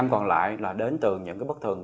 năm còn lại là đến từ những cái bất thường